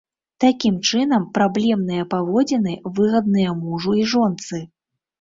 Такім чынам, праблемныя паводзіны выгадныя мужу і жонцы.